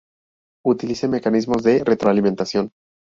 Utiliza mecanismos de retroalimentación.